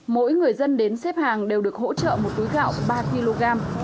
mỗi người dân đến xếp hàng đều được hỗ trợ một túi gạo ba kg